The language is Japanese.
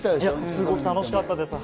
すごく楽しかったです。